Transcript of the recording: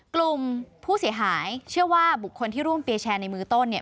กลุ่มผู้เสียหายเชื่อว่าบุคคลที่ร่วมเปียแชร์ในมือต้นเนี่ย